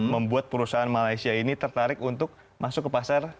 membuat perusahaan malaysia ini tertarik untuk masuk ke pasar